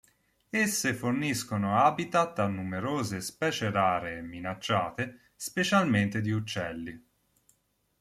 Esse forniscono habitat a numerose specie rare e minacciate, specialmente di uccelli.